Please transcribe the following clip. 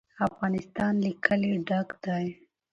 افغانستان له کلي ډک دی.